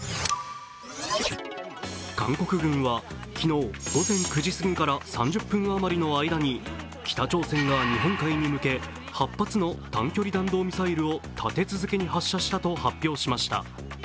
韓国軍は昨日、午前９時過ぎから３０分あまりの間に北朝鮮が日本海に向け８発の短距離弾道ミサイルを立て続けに発射したと発表しました。